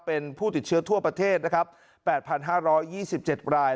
เป็นผู้ติดเชื้อทั่วประเทศนะครับ๘๕๒๗ราย